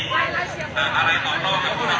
การประตูกรมทหารที่สิบเอ็ดเป็นภาพสดขนาดนี้นะครับ